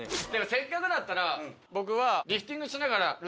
「せっかくだったら「ええー！」